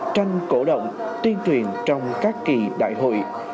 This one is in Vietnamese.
tranh cổ động tuyên truyền trong các kỳ đại hội